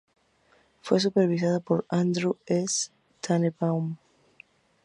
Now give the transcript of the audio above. Fue supervisada por Andrew S. Tanenbaum.